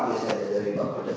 biasanya dari pak pedak